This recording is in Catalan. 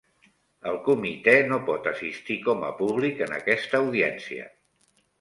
El comitè no pot assistir com a públic en aquesta audiència.